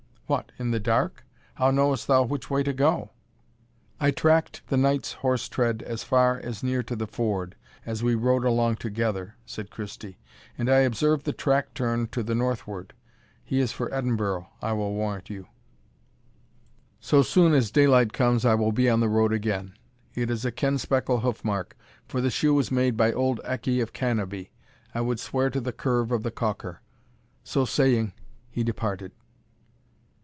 "What, in the dark! how knowest thou which way to go?" "I tracked the knight's horse tread as far as near to the ford, as we rode along together," said Christie, "and I observed the track turn to the north ward. He is for Edinburgh, I will warrant you so soon as daylight comes I will be on the road again. It is a kenspeckle hoof mark, for the shoe was made by old Eckie of Cannobie I would swear to the curve of the caulker." So saying, he departed.